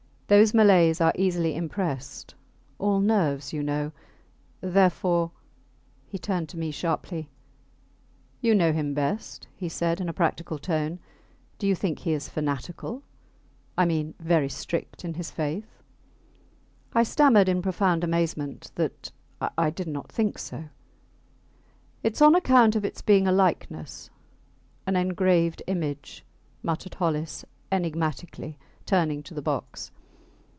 Those Malays are easily impressed all nerves, you know therefore ... He turned to me sharply. You know him best, he said, in a practical tone. Do you think he is fanatical I mean very strict in his faith? I stammered in profound amazement that I did not think so. Its on account of its being a likeness an engraved image, muttered Hollis, enigmatically, turning to the box.